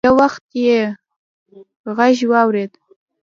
يو وخت يې غږ واورېد.